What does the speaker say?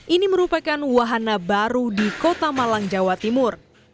ini merupakan wahana baru di kota malang jawa timur